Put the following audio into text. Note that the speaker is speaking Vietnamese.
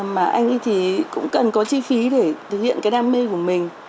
mà anh ấy thì cũng cần có chi phí để thực hiện cái đam mê của mình